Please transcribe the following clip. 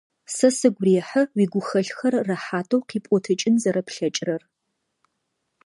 Сэ сыгу рехьы уигухэлъхэр рэхьатэу къипӏотыкӏын зэрэплъэкӏырэр.